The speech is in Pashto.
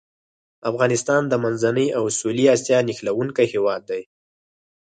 افغانستان د منځنۍ او سویلي اسیا نښلوونکی هېواد دی.